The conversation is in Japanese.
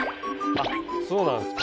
あっそうなんすか。